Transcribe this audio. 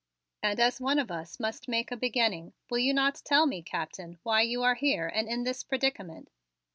"And as one of us must make a beginning, will you not tell me, Captain, why you are here and in this predicament?"